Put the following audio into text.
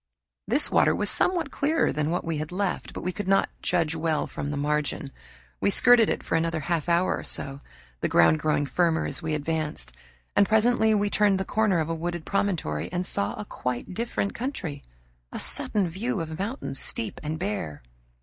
This water was somewhat clearer than that we had left, but we could not judge well from the margin. We skirted it for another half hour or so, the ground growing firmer as we advanced, and presently we turned the corner of a wooded promontory and saw a quite different country a sudden view of mountains, steep and bare.